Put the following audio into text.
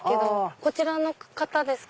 こちらの方ですか？